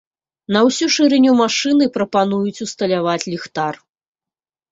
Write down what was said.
На ўсю шырыню машыны прапануюць усталяваць ліхтар.